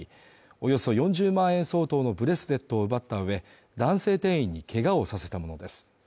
およそ４０万円相当のブレスレットを奪った上、男性店員にけがをさせたものです。